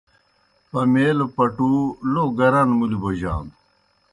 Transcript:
پمیلوْ پٹُو لو گران مُلیْ بوجانوْ۔